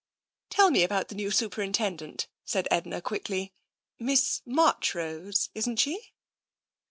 '' "Tell me about the new Superintendent," said Edna quickly. " Miss Marchrose, isn't she